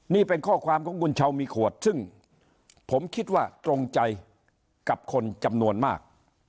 นี่เป็นข้อความของคุณชาวมีขวดซึ่งผมคิดว่าตรงใจกับคนจำนวนมาก